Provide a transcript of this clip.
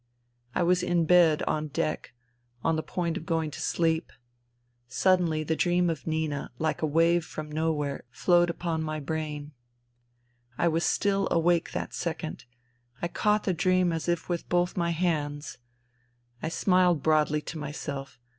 I was in bed on deck, on the point of going to sleep. Suddenly the dream of Nina, like a wave from nowhere, flowed upon my brain. I was still awake that second : I caught the dream as if with both my hands. I smiled broadly to myself.